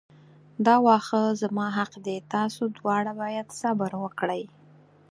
دا واښه زما حق دی تاسو دواړه باید صبر وکړئ.